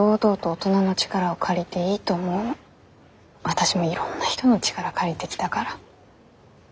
私もいろんな人の力借りてきたから。